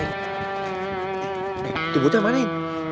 eh tuh butuh apa nih